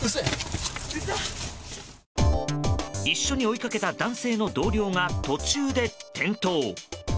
一緒に追いかけた男性の同僚が途中で転倒。